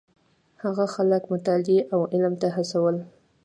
هغه خلک مطالعې او علم ته وهڅول.